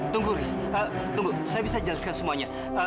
tunggu riz tunggu saya bisa jelaskan semuanya